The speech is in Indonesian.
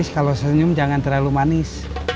kalau senyum jangan terlalu manis